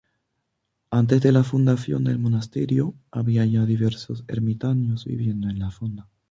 Antes de la fundación del monasterio había ya diversos ermitaños viviendo en la zona.